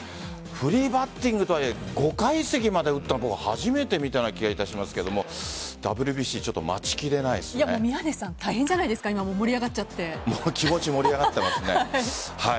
フリーバッティングとはいえ５階席まで打ったのは僕、初めて見たような気がしますがＷＢＣ宮根さん、大変じゃないですか気持ち盛り上がっていますね。